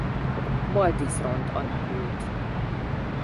Balti Front alakult.